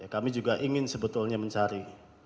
kami juga ingin sebetulnya mencari